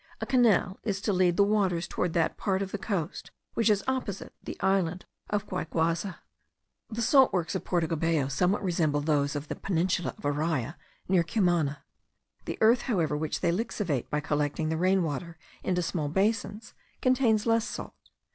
A canal is to lead the waters toward that part of the coast which is opposite the island of Guayguaza. The salt works of Porto Cabello somewhat resemble those of the peninsula of Araya, near Cumana. The earth, however, which they lixivate by collecting the rain water into small basins, contains less salt.